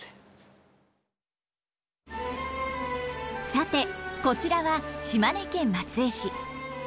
さてこちらは島根県松江市。